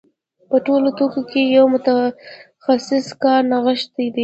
په ټولو توکو کې د یو متخصص کار نغښتی دی